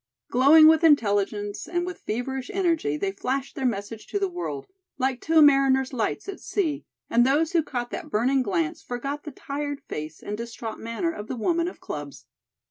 Glowing with intelligence and with feverish energy they flashed their message to the world, like two mariner's lights at sea, and those who caught that burning glance forgot the tired face and distraught manner of the woman of clubs.